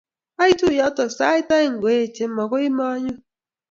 Aitu yoto sait aeng ngoeche magooy manyoo